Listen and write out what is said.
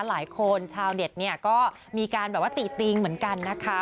หลายคนชาวเด็ดเนี่ยก็มีการแบบว่าติ๊ะติ๊งเหมือนกันนะคะ